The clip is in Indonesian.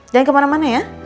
jangan kemana mana ya